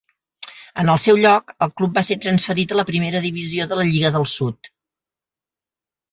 En el seu lloc, el club va ser transferit a la Primera Divisió de la Lliga del Sud.